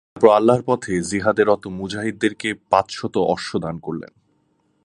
তারপর আল্লাহর পথে জিহাদে রত মুজাহিদদেরকে পাঁচশত অশ্ব দান করলেন।